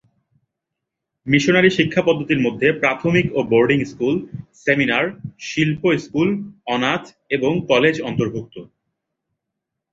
Missionary শিক্ষা পদ্ধতির মধ্যে প্রাথমিক ও বোর্ডিং স্কুল, সেমিনার, শিল্প স্কুল, অনাথ এবং কলেজ অন্তর্ভুক্ত।